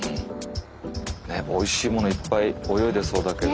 おいしいものいっぱい泳いでそうだけど。